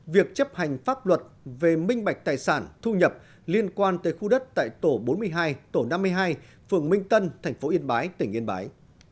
việc chấp hành pháp luật về minh bạch tài sản thu nhập liên quan tới khu đất tại tổ bốn mươi hai tổ năm mươi hai phường minh tân tp yên bái tỉnh yên bái